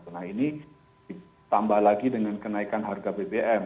nah ini ditambah lagi dengan kenaikan harga bbm